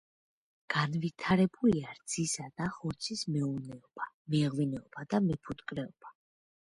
განვითარებულია რძისა და ხორცის მეურნეობა, მეღვინეობა და მეფუტკრეობა.